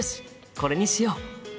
これにしよう。